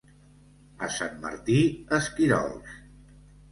A Sant Martí, esquirols.